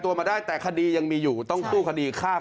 จะต้องมีความผิดจะต้องมีบาปติดตัวไปตลอดชีวิตแน่นอน